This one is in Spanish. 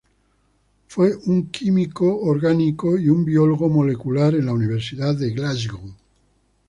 Fue un químico orgánico y un biólogo molecular en la Universidad de Glasgow.